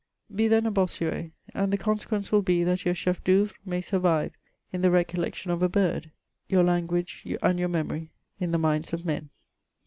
'' Be then a Bossuet ; and the consequence will be that your chef dCcBUvre may survive, in the recollection of a bird, your language and your memory in the minds of men.